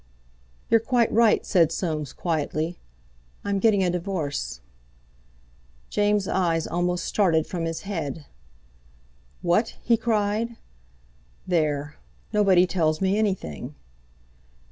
"You're quite right," said Soames quietly; "I'm getting a divorce." James' eyes almost started from his head. "What?" he cried. "There! nobody tells me anything."